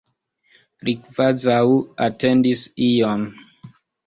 Li kvazaŭ atendis ion.